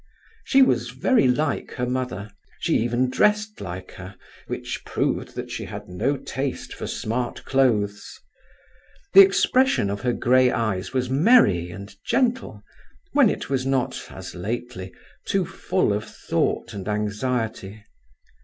She was very like her mother: she even dressed like her, which proved that she had no taste for smart clothes. The expression of her grey eyes was merry and gentle, when it was not, as lately, too full of thought and anxiety.